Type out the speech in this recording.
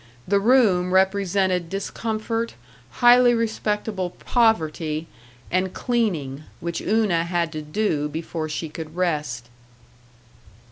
The room represented discomfort, highly respectable poverty and cleaning, which Una had to do before she could rest.